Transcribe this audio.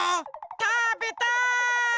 たべたい！